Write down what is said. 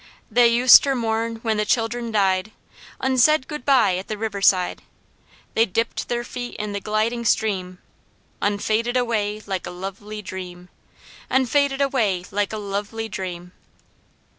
"They uster mourn when the childurn died, Un said goo bye at the river side, They dipped ther feet in the glidin' stream, Un faded away, like a loveli dream, Un faded away like a loveli dream."